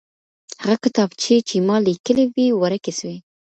هغه کتابچې چي ما ليکلې وې ورکې سوې.